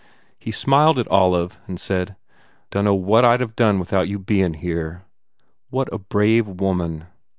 He smiled at Olive and said, "Dunno what I d have done without you bein here." What a brave woman!